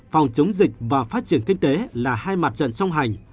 phòng chống dịch và phát triển kinh tế là hai mặt trận song hành